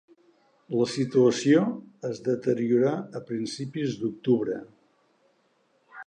La situació es deteriorà a principis d'octubre.